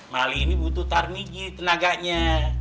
mali ini butuh tarmiji tenaganya